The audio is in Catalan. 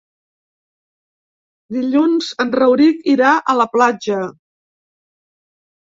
Dilluns en Rauric irà a la platja.